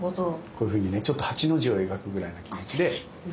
こういうふうにねちょっと８の字を描くぐらいな気持ちで。